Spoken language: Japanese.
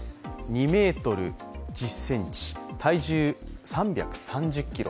２ｍ１０ｃｍ、体重３３０ｋｇ。